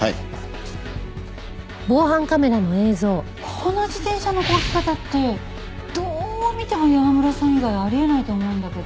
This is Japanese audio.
この自転車の漕ぎ方ってどう見ても山村さん以外ありえないと思うんだけど。